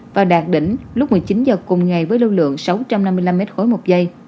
và đạt đỉnh lúc một mươi chín h cùng ngày với lưu lượng sáu trăm năm mươi năm m ba một giây